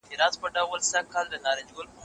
زما ملګری د یوې تکنالوژیکي کمپنۍ مشر دی.